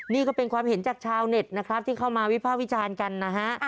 นี่ก็เป็นความเห็นจากชาวเน็ตนะครับที่เข้ามาวิภาควิจารณ์กันนะฮะ